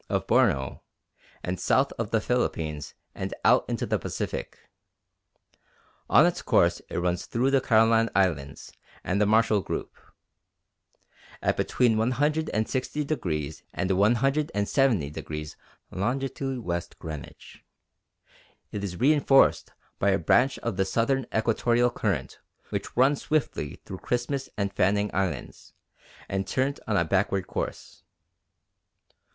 of Borneo and south of the Philippines and out into the Pacific. On its course it runs through the Caroline Islands and the Marshall Group. At between 160° and 170° longitude west Greenwich it is reinforced by a branch of the southern Equatorial Current which runs swiftly round Christmas and Fanning Islands and turns on a backward course.